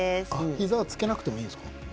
膝はつけなくてもいいですか？